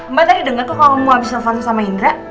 mbak tadi denger kok kamu abis nelfon sama indra